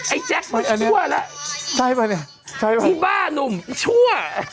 ไอ้แจ๊คมันชั่วแล้วไอ้บ้านุ่มชั่ว